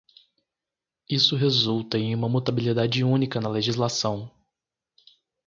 Isso resulta em uma mutabilidade única na legislação.